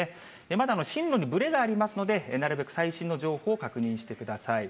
まだ進路にぶれがありますので、なるべく最新の情報を確認してください。